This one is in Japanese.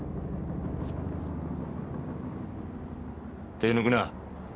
手を抜くな。